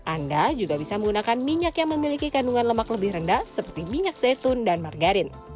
anda juga bisa menggunakan minyak yang memiliki kandungan lemak lebih rendah seperti minyak zaitun dan margarin